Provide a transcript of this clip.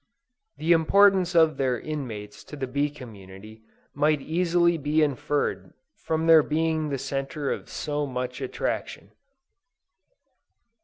The importance of their inmates to the bee community, might easily be inferred from their being the center of so much attraction.